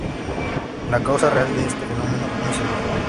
La causa real de este fenómeno no es segura.